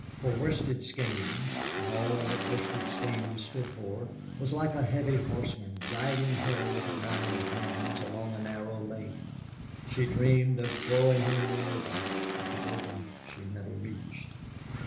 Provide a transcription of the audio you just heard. For Worsted Skeynes, and all that Worsted Skeynes stood for, was like a heavy horseman guiding her with iron hands along a narrow lane; she dreamed of throwing him in the open, but the open she never reached.